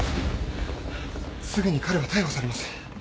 すぐに彼は逮捕されます。